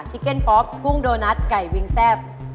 เก็นป๊อกกุ้งโดนัทไก่วิงแซ่บ